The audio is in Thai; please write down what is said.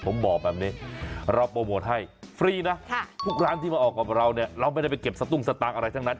ผมบอกแบบนี้เราโปรโมทให้ฟรีนะทุกร้านที่มาออกกับเราเนี่ยเราไม่ได้ไปเก็บสตุ้งสตางค์อะไรทั้งนั้น